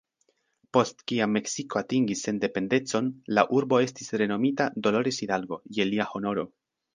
Post kiam Meksiko atingis sendependecon, la urbo estis renomita "Dolores Hidalgo" je lia honoro.